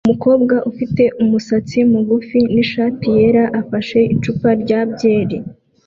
Umukobwa ufite umusatsi mugufi nishati yera afashe icupa rya byeri